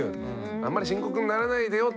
あんまり深刻にならないでよっていう。